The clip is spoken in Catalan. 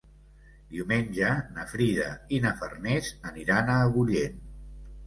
Diumenge na Frida i na Farners aniran a Agullent.